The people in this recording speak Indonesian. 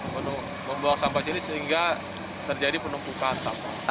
membuang sampah disini sehingga terjadi penumpukan sampah